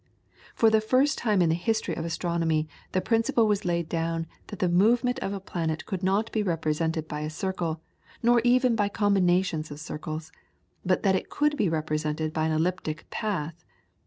For the first time in the history of astronomy the principle was laid down that the movement of a planet could not be represented by a circle, nor even by combinations of circles, but that it could be represented by an elliptic path.